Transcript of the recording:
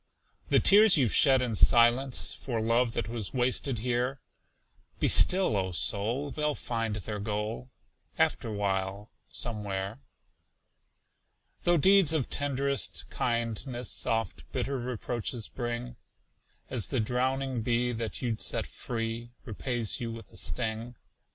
The tears you've shed in silence For love that was wasted here Be still, O soul! They'll find their goal, Afterwhile, somewhere. Though deeds of tend'rest kindness Oft bitter reproaches bring, As the drowning bee that you'd set free Repays you with a sting.